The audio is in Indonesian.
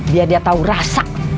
biar dia tahu rasa